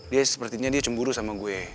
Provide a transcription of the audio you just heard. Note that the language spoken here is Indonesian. dia sepertinya dia cemburu sama gue